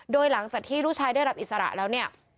โดยหลังจากที่ลูกชายได้รับอิสระแล้วเนี่ย